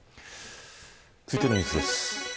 続いてのニュースです。